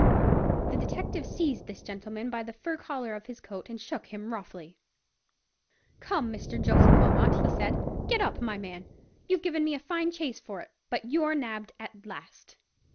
The detective seized this gentleman by the fur collar of his coat and shook him roughly. "Come, Mr. Joseph Wilmot," he said; "get up, my man. You've given me a fine chase for it; but you're nabbed at last."